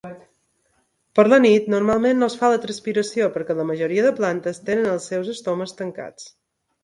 Per la nit normalment no es fa la transpiració, perquè la majoria de plantes tenen els seus estomes tancats.